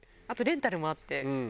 あとレンタルもあって。